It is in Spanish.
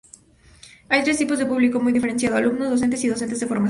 Hay tres tipos de público muy diferenciado: alumnos, docentes y docentes en formación.